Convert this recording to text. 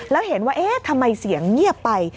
แล้วเห็นว่าเอ๊ะทำไมเสียงเงียบไป